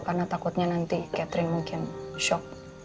karena takutnya nanti catherine mungkin shock